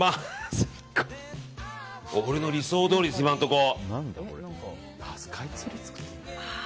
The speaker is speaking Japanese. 俺の理想どおりです、今のところ。